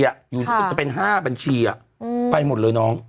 อยู่ประสิทธิ์เป็น๕บัญชีไปหมดเลยน้อง